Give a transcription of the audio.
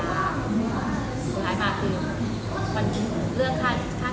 แม่ก็เลยลองถามกรณีว่าถ้าเขาไม่มีศัพท์ให้ยึดรออยู่ได้อะไรบ้าง